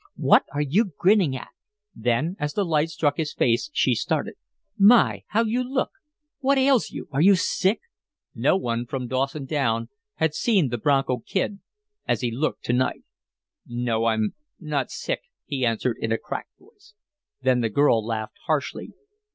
"What are you grinning at?" Then, as the light struck his face, she started. "My! How you look! What ails you? Are you sick?" No one, from Dawson down, had seen the Bronco Kid as he looked to night. "No. I'm not sick," he answered, in a cracked voice. Then the girl laughed harshly.